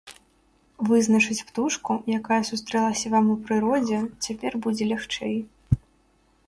Вызначыць птушку, якая сустрэлася вам у прыродзе, цяпер будзе лягчэй.